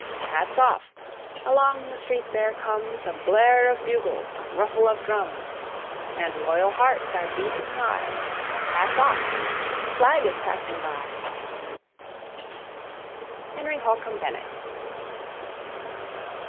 Hats off! Along the street there comes A blare of bugles, a ruffle of drums; And loyal hearts are beating high: Hats off! The flag is passing by! HENRY HOLCOMB BENNETT.